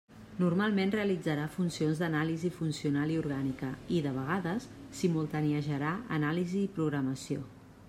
Normalment realitzarà funcions d'anàlisi funcional i orgànica i, de vegades, simultaniejarà anàlisi i programació.